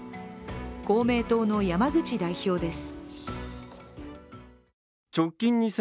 公明党の山口代表です。